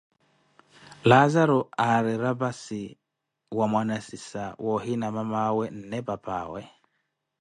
Laazaro aari rapasi wa mwanasisa, wa ohiina mamawe nne papaawe.